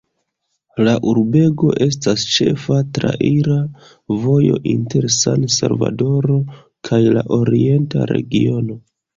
La urbego estas ĉefa traira vojo inter San-Salvadoro kaj la orienta regiono.